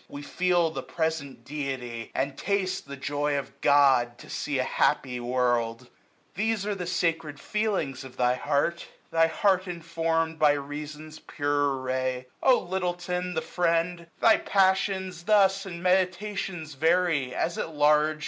We feel the present Deity, and taste The joy of God to see a happy world ! 900 These are the sacred feelings of thy heart. Thy heart informed by reason's purer ray, O Lyttelton, the friend ! thy passions thus And meditations vary, as at large.